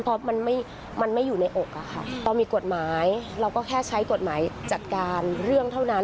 เพราะมันไม่อยู่ในอกอะค่ะเรามีกฎหมายเราก็แค่ใช้กฎหมายจัดการเรื่องเท่านั้น